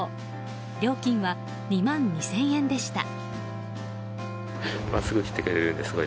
料金は２万２０００円でした。